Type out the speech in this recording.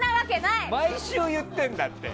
毎週言ってんだって。